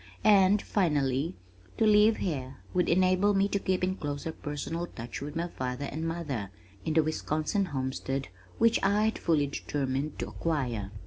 And, finally, to live here would enable me to keep in closer personal touch with my father and mother in the Wisconsin homestead which I had fully determined to acquire.